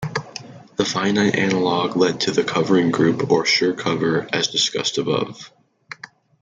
The finite analog led to the covering group or Schur cover, as discussed above.